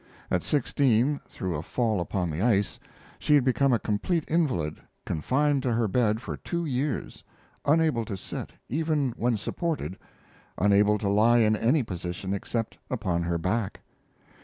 At sixteen, through a fall upon the ice, she had become a complete invalid, confined to her bed for two years, unable to sit, even when supported, unable to lie in any position except upon her back.